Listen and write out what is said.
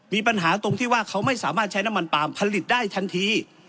มีปัญหาตรงที่ว่าเขาไม่สามารถใช้น้ำมันปาล์มผลิตได้ทันที